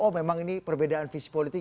oh memang ini perbedaan visi politik